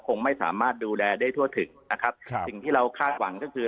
คงไม่สามารถดูแลได้ทั่วถึงนะครับครับสิ่งที่เราคาดหวังก็คือ